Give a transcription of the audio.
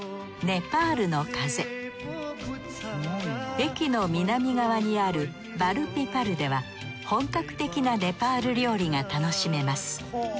駅の南側にあるバルピパルでは本格的なネパール料理が楽しめます